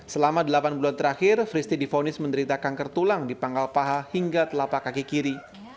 selama delapan bulan terakhir fristie difonis menderita kanker tulang di pangkal paha hingga telapak kaki kiri